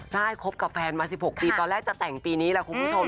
ใช่คบกับแฟนมา๑๖ปีตอนแรกจะแต่งปีนี้แหละคุณผู้ชม